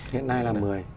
hiện nay là một mươi